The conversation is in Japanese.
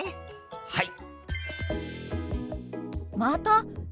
はい！